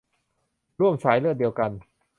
ร่วมสายเลือดเดียวกัน